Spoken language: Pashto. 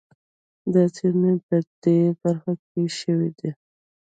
دا څېړنې په دې برخه کې شوي دي.